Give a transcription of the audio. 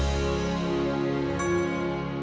aku mau berlebihan